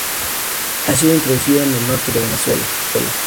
Ha sido introducido en el norte de Venezuela.